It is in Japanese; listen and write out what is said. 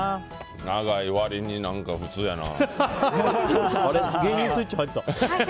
長い割に何か普通やな。